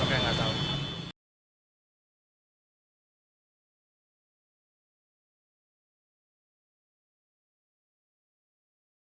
ke amerika denganschema